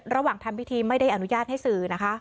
ระหว่างทำพิธีไม่ได้อนุญาตให้ซื้อนะคะ